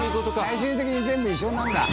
最終的に全部一緒になるんだ。